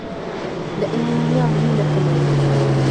د انیمیا وینه کموي.